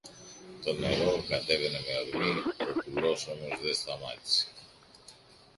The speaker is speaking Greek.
Το νερό κατέβαινε με ορμή, ο κουλός όμως δε σταμάτησε.